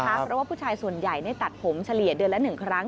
เพราะว่าผู้ชายส่วนใหญ่ได้ตัดผมเฉลี่ยเดือนละ๑ครั้ง